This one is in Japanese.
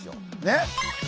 ねっ？